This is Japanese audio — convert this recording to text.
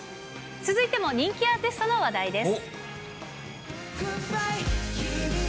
続いても人気アーティストの話題です。